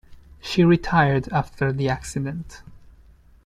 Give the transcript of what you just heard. She retired after the accident.